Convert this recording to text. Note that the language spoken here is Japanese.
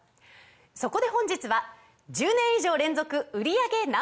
そこで本日は１０年以上連続売り上げＮｏ．１